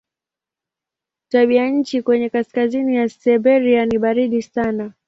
Tabianchi kwenye kaskazini ya Siberia ni baridi sana.